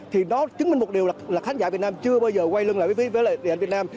thì đó chứng minh một điều là khán giả việt nam chưa bao giờ quay lưng lại với việt nam